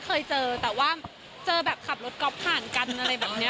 เคยเจอแต่ว่าเจอแบบขับรถก๊อฟผ่านกันอะไรแบบนี้